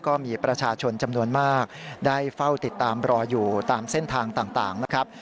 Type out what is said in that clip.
ก็มีประชาชนจำนวนมากได้เฝ้าติดตามรออยู่ตามเส้นทางต่างนะครับ